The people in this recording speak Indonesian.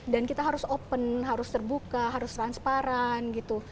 dan kita harus open harus terbuka harus transparan gitu